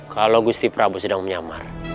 kalau gusti prabowo sedang menyamar